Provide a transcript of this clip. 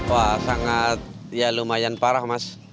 wah sangat ya lumayan parah mas